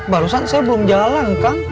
barusan saya belum jalan kang